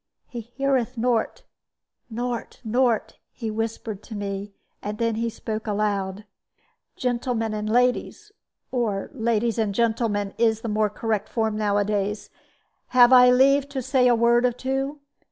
"He heareth nort, nort, nort," he whispered to me; and then spoke aloud: "Gentlemen and ladies or ladies and gentlemen, is the more correct form nowadays have I leave to say a word or two?